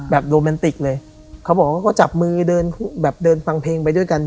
แบบโรแมนติกเลยเค้าบอกว่าก็จับมือเดินฟังเพลงไปด้วยกัน